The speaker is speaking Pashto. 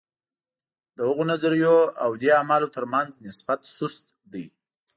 د هغو نظریو او دې اعمالو ترمنځ نسبت سست دی.